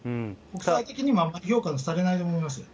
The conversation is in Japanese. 国際的にもあまり評価がされないと思います。